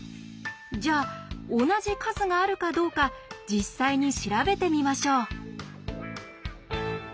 じゃあ同じ数があるかどうか実際に調べてみましょう。